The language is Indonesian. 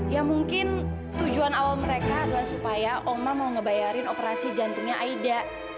ya mungkin tujuan awal mereka adalah supaya oma mau ngebayarin operasi jantungnya aida